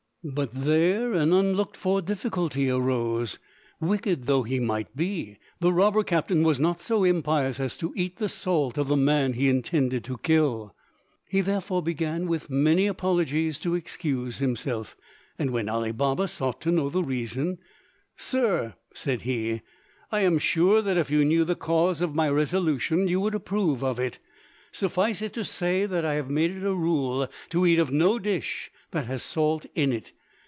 But there an unlooked for difficulty arose. Wicked though he might be the robber captain was not so impious as to eat the salt of the man he intended to kill. He therefore began with many apologies to excuse himself; and when Ali Baba sought to know the reason, "Sir," said he, "I am sure that if you knew the cause of my resolution you would approve of it. Suffice it to say that I have made it a rule to eat of no dish that has salt in it.